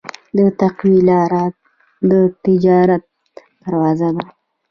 د تقوی لاره د نجات دروازه ده.